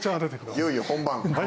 いよいよ本番。